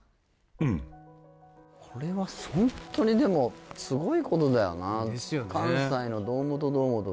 うんこれはホントにでもすごいことだよなですよね